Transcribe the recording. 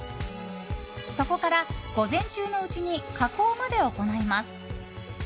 そこから、午前中のうちに加工まで行います。